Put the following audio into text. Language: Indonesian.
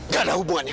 gak ada hubungannya